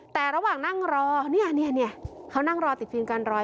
แต่ระหว่างนั่งรอเนี่ยเนี่ยเนี่ยเขานั่งรอติดฟิล์มกันรอย